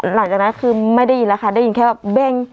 หลังจากนั้นคือไม่ได้ยินแล้วค่ะได้ยินแค่ว่าเบ้ง